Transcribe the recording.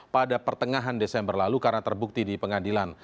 pada pertengahan desember lalu karena terbukti di pengadilan